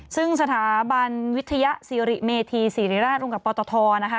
ซึ่งสถาบันวิทยาศิริเมธีสิริราชร่วมกับปตทนะคะ